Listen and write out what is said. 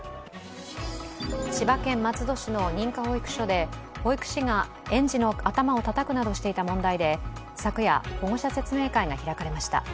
千葉県松戸市の認可保育所で保育士が園児の頭をたたくなどしていた問題で昨夜、保護者説明会が開かれました